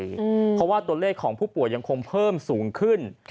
เพราะว่าตัวเลขของผู้ป่วยยังคงเพิ่มสูงขึ้น